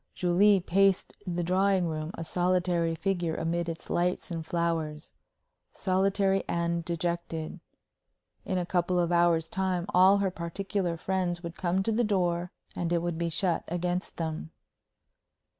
Julie paced the drawing room a solitary figure amid its lights and flowers solitary and dejected. In a couple of hours' time all her particular friends would come to the door, and it would be shut against them.